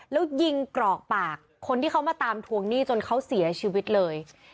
แล้วยิงกรอกปากคนที่เขามาตามทวงหนี้จนเขาเสียชีวิตเลย